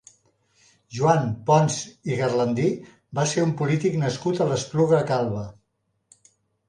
Joan Pons i Garlandí va ser un polític nascut a l'Espluga Calba.